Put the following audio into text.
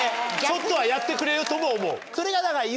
ちょっとはやってくれよとも思う。